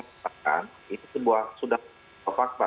saya terima kasih itu sebuah sudah fakta